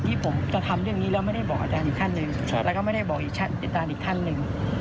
ที่ผมจะทำเรื่องนี้แล้วไม่ได้บอกอาจารย์อีกท่านหนึ่งแล้วก็ไม่ได้บอกอีกอาจารย์อีกท่านหนึ่ง